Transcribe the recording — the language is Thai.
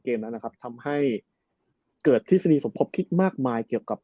ในเกมนั้นนะครับทำให้เกิดธรรมภพคิดมากมายเกี่ยวกับ